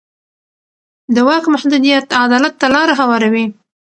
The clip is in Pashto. د واک محدودیت عدالت ته لاره هواروي